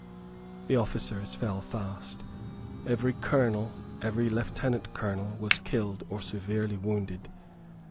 The officers fell fast. Every Colonel, every Lieutenant Colonel, was killed or severely wounded.